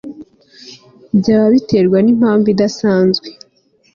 byaba bitarebwa n'impamvu idasanzwe